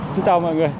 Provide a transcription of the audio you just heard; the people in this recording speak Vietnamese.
xin chào mọi người